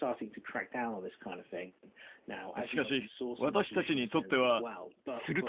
しかし、私たちにとっては。すると。